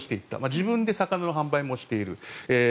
自分で魚の販売もしている。